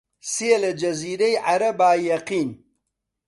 سێ لە جەزیرەی عەرەبا یەقین